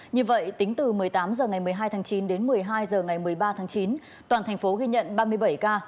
như vậy tính từ một mươi tám h ngày một mươi hai tháng chín đến một mươi hai h ngày một mươi ba tháng chín toàn thành phố ghi nhận ba mươi bảy ca